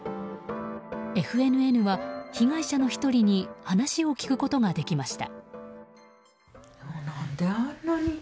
ＦＮＮは被害者の１人に話を聞くことができました。